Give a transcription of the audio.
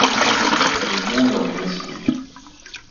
Le nom leur est resté.